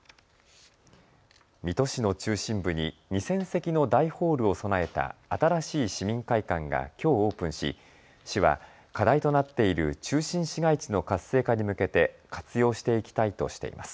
水戸市の中心部に２０００席の大ホールを備えた新しい市民会館がきょうオープンし市は課題となっている中心市街地の活性化に向けて活用していきたいとしています。